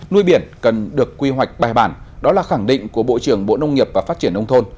nuôi biển cần được quy hoạch bài bản đó là khẳng định của bộ trưởng bộ nông nghiệp và phát triển nông thôn